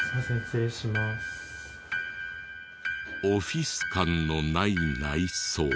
オフィス感のない内装。